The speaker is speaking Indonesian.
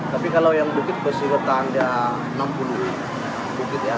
tapi kalau yang bukit bersih bertahan dia enam puluh rupiah